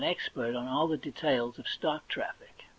expert in all the details of stock traffic.